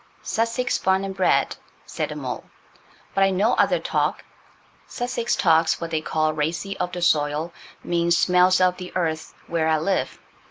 "Sussex barn an' bred," said the mole, "but I know other talk. Sussex talks what they call 'racy of the soil'–means 'smells of the earth' where I live.